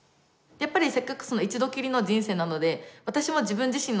やっぱりせっかく一度きりの人生なので私も自分自身の人生